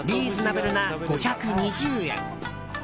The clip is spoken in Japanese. リーズナブルな５２０円。